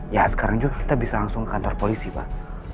ya sekarang juga kita bisa langsung ke kantor polisi pak